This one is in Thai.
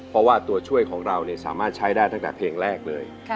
เพราะว่าตัวช่วยของเราสามารถใช้ได้ตั้งแต่เพลงแรกเลย